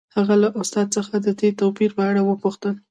هغه له استاد څخه د دې توپیر په اړه وپوښتل